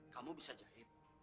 kamu bisa jahit